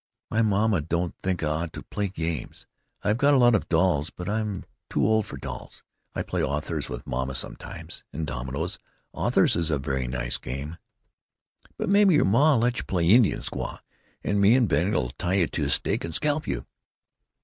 "My mamma don't think I ought to play games. I've got a lot of dolls, but I'm too old for dolls. I play Authors with mamma, sometimes. And dominoes. Authors is a very nice game." "But maybe your ma will let you play Indian squaw, and me and Bennie 'll tie you to a stake and scalp you.